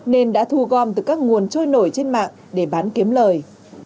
nên đã thu gom từ các nguồn trôi nổi trên mạng để bán kiếm lời